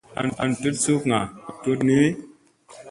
An tut sukŋa tut ni.